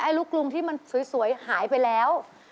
ลูกกรุงที่มันสวยหายไปแล้ว